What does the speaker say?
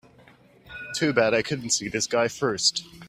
Too bad I couldn't see this guy first.